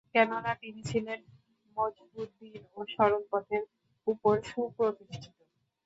কেননা, তিনি ছিলেন মজবুত দীন ও সরল পথের উপর সু-প্রতিষ্ঠিত।